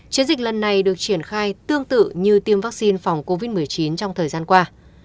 chiến dịch lần này được triển khai tương tự như tiêm vaccine phòng covid một mươi chín trong thời gian qua